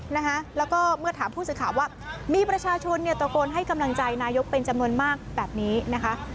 นะคะแล้วก็เมื่อถามผู้สื่อข่าวว่ามีประชาชนเนี่ยตะโกนให้กำลังใจนายกเป็นจำนวนมากแบบนี้นะคะ